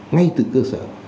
ngay từ cơ sở